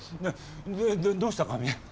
どうしたかね？